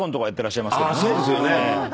そうですよね。